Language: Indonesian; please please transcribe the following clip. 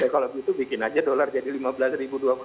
kalau begitu bikin saja dolar jadi lima belas dua puluh kan bagus